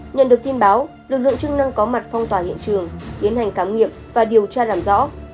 nhận được tin báo lực lượng chức năng có mặt phong tỏa hiện trường tiến hành khám nghiệm và điều tra làm rõ